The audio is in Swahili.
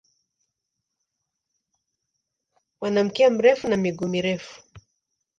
Wana mkia mrefu na miguu mirefu.